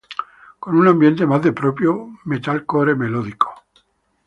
Con un ambiente más de propio Metalcore melódico.